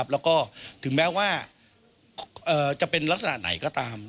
แล้วก็ถึงแม้ว่าจะเป็นลักษณะไหนก็ตาม